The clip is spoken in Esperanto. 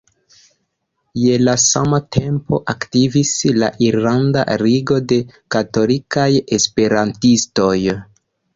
Je la sama tempo aktivis la "Irlanda Ligo de Katolikaj Esperantistoj".